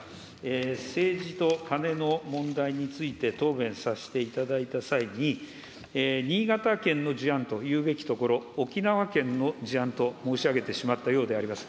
政治とカネの問題について答弁させていただいた際に、新潟県の事案と言うべきところ、沖縄県の事案と申し上げてしまったようであります。